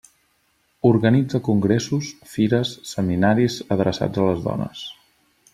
Organitza congressos, fires, seminaris adreçats a les dones.